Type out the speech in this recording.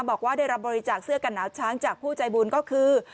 บอกว่าได้รับบริจาคเสื้อกันหนาวช้างจากผู้ใจบุญก็คือ